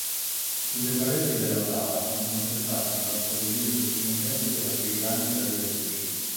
Sulle pareti della sala sono conservati i bassorilievi ottocenteschi raffiguranti la "Via Crucis".